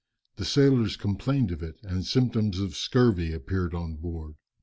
The sailors complained of it, and symptoms of scurvy appeared on board.